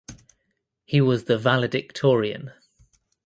He was the valedictorian.